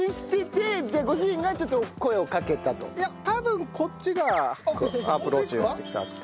通勤してていや多分こっちがアプローチをしてきたんで。